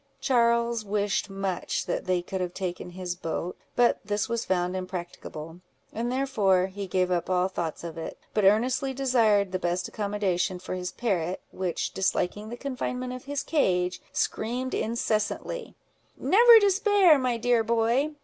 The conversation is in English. Charles wished much that they could have taken his boat; but this was found impracticable; and therefore he gave up all thoughts of it: but earnestly desired the best accommodation for his parrot, which disliking the confinement of his cage, screamed incessantly—"Never despair, my dear boy!"